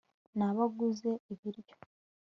nabaguze ibiryo